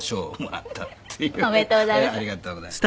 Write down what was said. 「おめでとうございます」